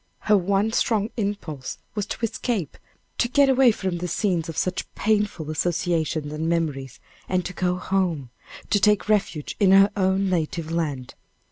Her one strong impulse was to escape, to get away from the scenes of such painful associations and memories, and to go home, to take refuge in her own native land.